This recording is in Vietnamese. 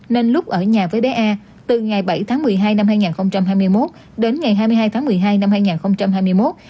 nên lúc ở nhà với bé a từ ngày bảy tháng một mươi hai năm hai nghìn hai mươi một đến ngày hai mươi hai tháng một mươi hai năm hai nghìn hai mươi một